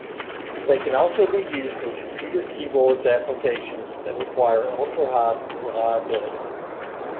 They can also be used in computer keyboards applications that require ultra-high reliability.